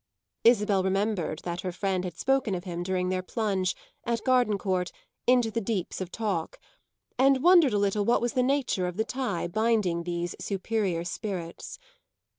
Isabel remembered that her friend had spoken of him during their plunge, at Gardencourt, into the deeps of talk, and wondered a little what was the nature of the tie binding these superior spirits.